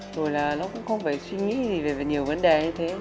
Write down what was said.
rồi là nó cũng không phải suy nghĩ gì về nhiều vấn đề như thế